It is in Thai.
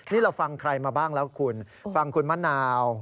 นี่เราฟังใครมาบ้างแล้วคุณฟังคุณมะนาว